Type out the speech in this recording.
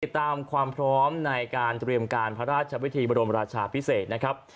ตามความพร้อมในการเตรียมการพระราชวิธีบรมราชาพิเศษนะครับ